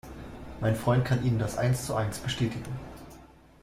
Mein Freund kann Ihnen das eins zu eins bestätigen.